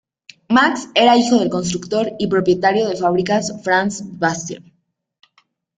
Max era hijo del constructor y propietario de fábricas Franz Bastian.